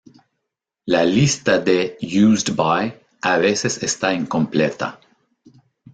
La lista de "Used by" a veces está incompleta.